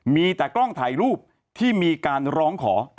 มีแต่กล้องถ่ายรูปที่มีการร้องขอ